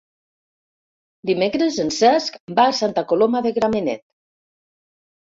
Dimecres en Cesc va a Santa Coloma de Gramenet.